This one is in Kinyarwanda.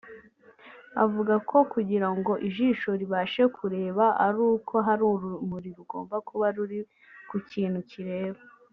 Avuga ko kugira ngo ijisho ribashe kureba ari uko hari urumuri rugomba kuba ruri kukintu rireba